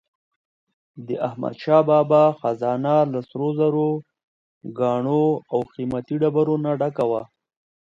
د احمدشاه بابا خزانه له سروزرو، ګاڼو او قیمتي ډبرو نه ډکه وه.